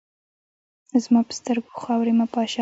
زما پر سترګو خاوري مه پاشه !